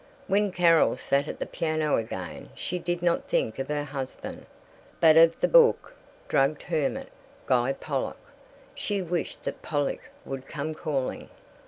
When Carol sat at the piano again she did not think of her husband but of the book drugged hermit, Guy Pollock. She wished that Pollock would come calling.